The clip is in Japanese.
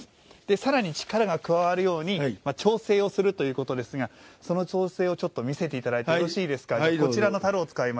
さらに力が加わるように調整をするということですがその調整を見せていただいてよろしいでしょうか。